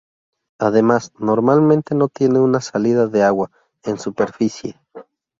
Además, normalmente no tiene una salida de agua en superficie.